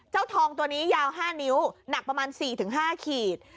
เจ้าทองตัวนี้ยาว๕นิ้วหนักประมาณ๔๕ขีด